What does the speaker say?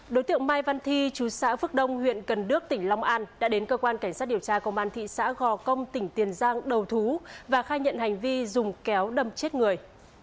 đối tượng mai văn thi chú xã phước đông huyện cần đước tỉnh long an đã đến cơ quan cảnh sát điều tra công an thị xã gò công tỉnh tiền giang đầu thú và khai nhận hành vi dùng kéo đâm chết người